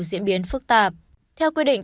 diễn biến phức tạp theo quy định